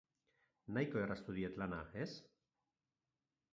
Nahiko erraztu diet lana, ez?